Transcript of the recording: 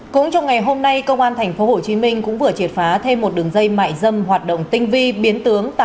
cũng trong ngày hôm nay công an tp hcm cũng vừa triệt phá thêm một đường dây mại dâm hoạt động tinh vi biến tướng